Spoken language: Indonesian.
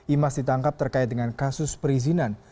imas ditangkap terkait dengan kasus perizinan